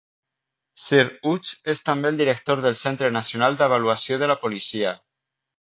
Sir Hugh és també el director del Centre Nacional d'Avaluació de la policia.